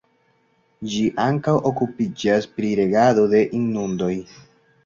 Ĝi ankaŭ okupiĝas pri regado de inundoj.